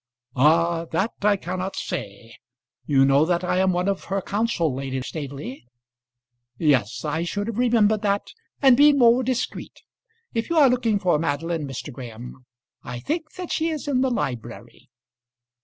"Ah! that I cannot say. You know that I am one of her counsel, Lady Staveley?" "Yes; I should have remembered that, and been more discreet. If you are looking for Madeline, Mr. Graham, I think that she is in the library."